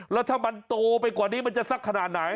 แล้วถ้ามันโตไปกว่านี้มันจะสักขนาดไหน